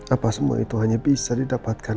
apa semua itu hanya bisa didapatkan